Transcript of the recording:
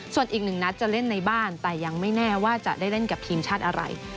ส่วนอีกหนึ่งนัดจะเล่นในบ้านแต่ยังไม่แน่ว่าจะได้เล่นกับทีมชาติอะไร